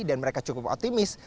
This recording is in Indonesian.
dan mereka cukup otimis